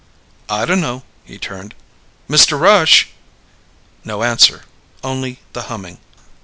"I dunno." He turned. "Mr. Rush!" No answer. Only the humming.